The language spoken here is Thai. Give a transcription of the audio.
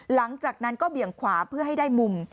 หลังจากนั้นก็เบี่ยงขวาเพื่อให้ได้มุม